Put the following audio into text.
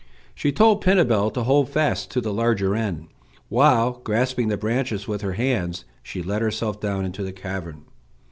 She told Pinabel to hold fast to the larger end, while, grasping the branches with her hands, she let herself down into the cavern.